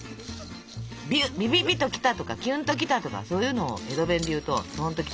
「ビビビときた」とか「キュンときた」とかそういうのを江戸弁で言うと「とんときた」。